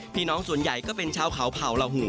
พี่น้องส่วนใหญ่ก็เป็นชาวเขาเผ่าเหล่าหู